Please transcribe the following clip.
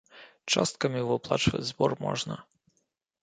Часткамі выплачваць збор можна.